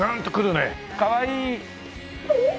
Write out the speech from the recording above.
かわいい。